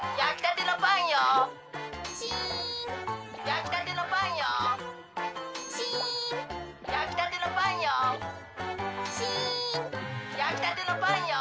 やきたてのパンよ。